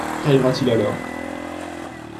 Qu’arrivera-t-il alors